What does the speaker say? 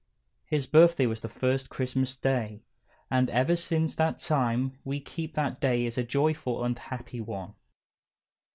His birthday was the first Christmas Day, and ever since that time we keep that day as a joyful and happy one.